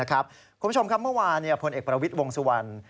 คุณผู้ชมครับเมื่อวานพลเอกประวิทย์วงสุวรรณ